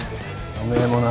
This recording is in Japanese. おめえもな。